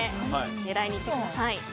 狙いにいってください。